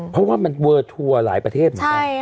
เพราะว่ามันเวอร์ทัวร์หลายประเทศเหมือนกัน